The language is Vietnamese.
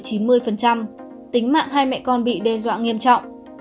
tính mạng hai mẹ con bị đe dọa nghiêm trọng